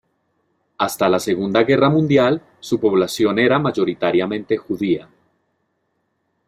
Hasta la Segunda Guerra Mundial, su población era mayoritariamente judía.